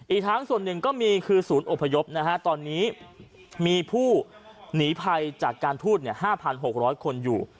อีกทั้งส่วนหนึ่งก็มีคือศูนย์อพยพตอนนี้มีผู้หนีภัยจากการทูต๕๖๐๐คนอยู่